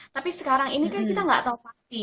tapi sekarang ini kan kita nggak tahu pasti